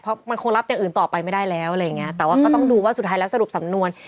เพราะว่ามันคงรับอย่างอื่นต่อไปไม่ได้แล้วต่อต้องดูสดท้ายแล้วสรุปสำนวน